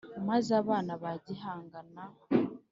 Maze abana ba gihanga